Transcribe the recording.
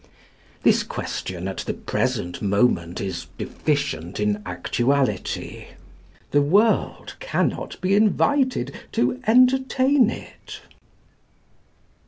This question at the present moment is deficient in actuality. The world cannot be invited to entertain it.